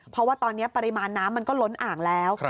เพราะว่าตอนนี้ปริมาณน้ำมันก็ล้นอ่างแล้ว